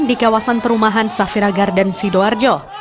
di kawasan perumahan safira garden sidoarjo